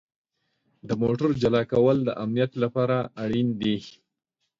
د موټر جلا کول د امنیت لپاره اړین دي.